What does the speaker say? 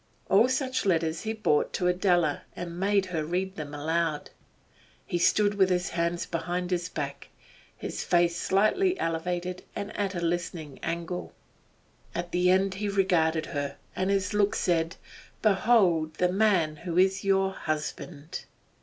All such letters he brought to Adela, and made her read them aloud; he stood with his hands behind his back, his face slightly elevated and at a listening angle. At the end he regarded her, and his look said: 'Behold the man who is your husband!